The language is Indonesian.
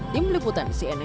tim liputan cnn indonesia